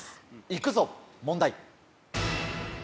行くぞ問題。